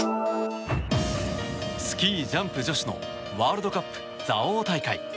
スキージャンプ女子のワールドカップ蔵王大会。